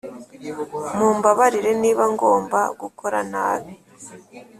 mumbabarire niba ngomba gukora nabi.